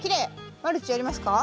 マルチやりますか？